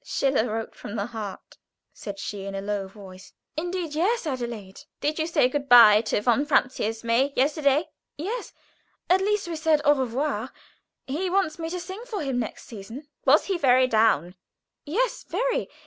"Schiller wrote from his heart," said she, in a low voice. "Indeed, yes, Adelaide." "Did you say good bye to von Francius, May, yesterday?" "Yes at least, we said au revoir. He wants me to sing for him next winter." "Was he very down?" "Yes very.